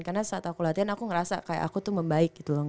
karena saat aku latihan aku ngerasa kayak aku tuh membaik gitu loh